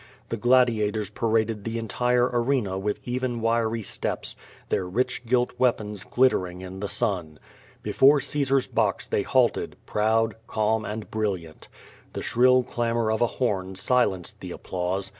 The gladiators paraded the entire arena M'ith even wiry steps, their rich gilt weapons glittering in the sun. Before Caesar's box they halted, proud, calm, and bril liant. The shrill clamor of a horn silenced the applause.